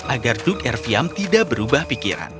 agar duk erviam tidak berubah pikiran